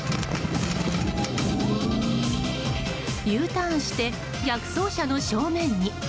Ｕターンして逆走車の正面に。